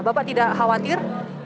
bapak tidak khawatir